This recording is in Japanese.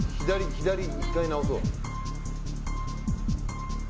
左、１回直そう。